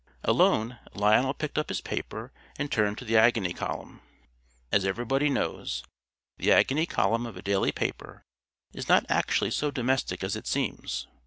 Alone, Lionel picked up his paper and turned to the Agony Column. As everybody knows, the Agony Column of a daily paper is not actually so domestic as it seems.